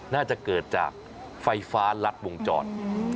น่าจะเกิดจากไฟฟ้ารัดวงจร